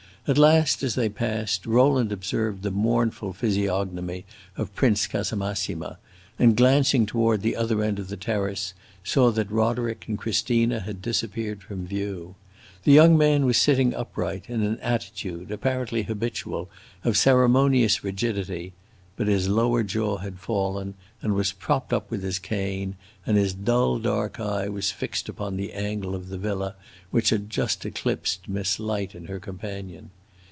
At last, as they passed, Rowland observed the mournful physiognomy of Prince Casamassima, and, glancing toward the other end of the terrace, saw that Roderick and Christina had disappeared from view. The young man was sitting upright, in an attitude, apparently habitual, of ceremonious rigidity; but his lower jaw had fallen and was propped up with his cane, and his dull dark eye was fixed upon the angle of the villa which had just eclipsed Miss Light and her companion.